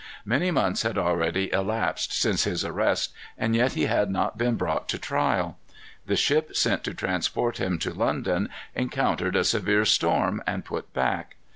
Many months had already elapsed since his arrest, and yet he had not been brought to trial. The ship sent to transport him to London encountered a severe storm and put back.